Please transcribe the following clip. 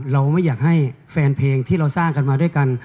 เราไม่อยากให้แฟนเพลงที่เราสร้างกันมาด้วยกัน